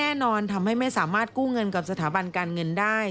แน่นอนทำให้ไม่สามารถกู้เงินกับสถาบันการเงินได้